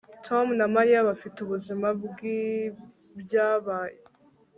Tom na Mariya bafite ubuzima bwibyabaye